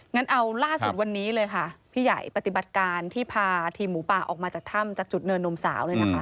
งั้นเอาล่าสุดวันนี้เลยค่ะพี่ใหญ่ปฏิบัติการที่พาทีมหมูป่าออกมาจากถ้ำจากจุดเนินนมสาวเลยนะคะ